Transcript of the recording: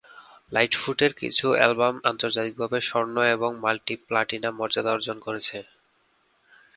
লাইটফুটের কিছু অ্যালবাম আন্তর্জাতিকভাবে স্বর্ণ এবং মাল্টি-প্লাটিনাম মর্যাদা অর্জন করেছে।